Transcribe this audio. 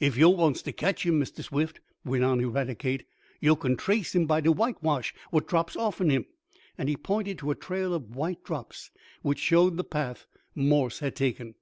"Ef yo' wants t' catch him, Mistah Swift," went on Eradicate, "yo' kin trace him by de whitewash what drops offen him," and he pointed to a trail of white drops which showed the path Morse had taken.